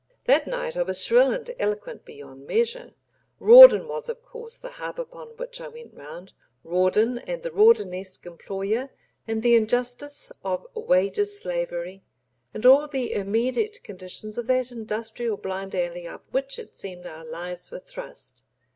That night I was shrill and eloquent beyond measure. Rawdon was, of course, the hub upon which I went round—Rawdon and the Rawdonesque employer and the injustice of "wages slavery" and all the immediate conditions of that industrial blind alley up which it seemed our lives were thrust.